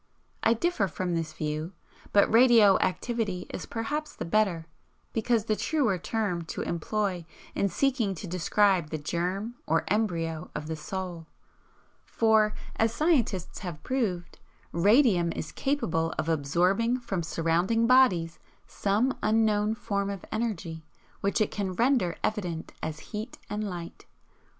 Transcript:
I differ from this view; but 'radio activity' is perhaps the better, because the truer term to employ in seeking to describe the Germ or Embryo of the Soul, for as scientists have proved "Radium is capable of absorbing from surrounding bodies SOME UNKNOWN FORM OF ENERGY which it can render evident as heat and light."